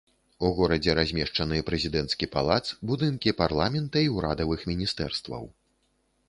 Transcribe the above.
У горадзе размешчаны прэзідэнцкі палац, будынкі парламента і ўрадавых міністэрстваў.